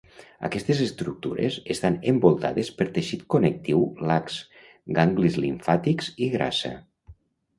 Aquestes estructures estan envoltades per teixit connectiu lax, ganglis limfàtics i grassa.